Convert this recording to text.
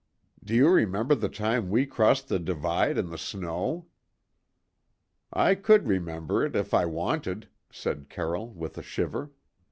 Do you remember the time we crossed the divide in the snow?" "I could remember it, if I wanted," said Carroll with a shiver.